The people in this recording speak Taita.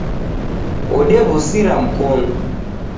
Odew'usira Mkonu